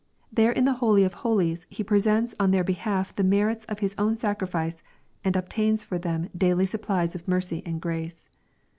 There in the holy of holies He presents on their behalf the merit of His own sacrifice, and obtains for them daily supplies of niercy and grace.